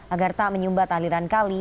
agar tak menyumbat aliran kali